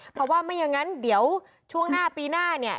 เพราะว่าไม่อย่างนั้นเดี๋ยวช่วงหน้าปีหน้าเนี่ย